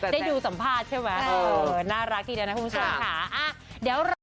ได้ดูสัมภาษณ์ใช่ไหมน่ารักทีเดียวนะคุณผู้ชมค่ะเดี๋ยวรอ